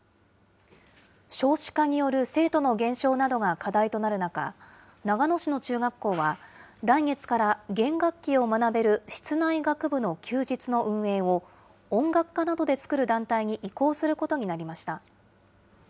少子化による生徒の減少などが課題となる中、長野市の中学校は、来月から、弦楽器を学べる室内楽部の休日の運営を、音楽家などで作る団体に移行することになりました。